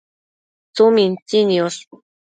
tsumintsi niosh